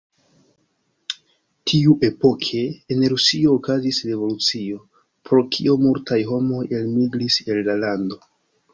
Tiuepoke en Rusio okazis revolucio, pro kio multaj homoj elmigris el la lando.